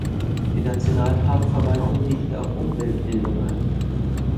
Die Nationalparkverwaltung bietet auch Umweltbildung an.